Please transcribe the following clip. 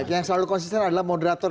yang selalu konsisten adalah moderator